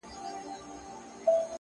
• خو ټوټې یې تر میلیون وي رسېدلي ,